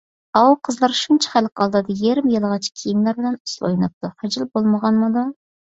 ئاۋۇ قىزلار شۇنچە خەلق ئالدىدا يېرىم يالىڭاچ كىيىملەر بىلەن ئۇسسۇل ئويناپتۇ، خىجىل بولمىغانمىدۇ؟